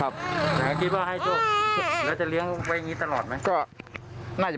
๒๐บาท